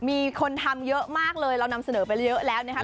มีคนทำเยอะมากเลยเรานำเสนอไปเยอะแล้วนะคะ